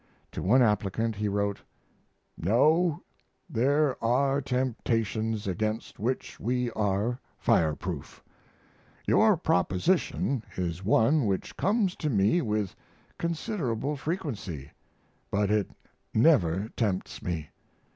To one applicant he wrote: No, there are temptations against which we are fire proof. Your proposition is one which comes to me with considerable frequency, but it never tempts me.